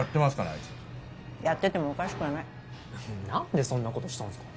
あいつやっててもおかしくはない何でそんなことしたんすか？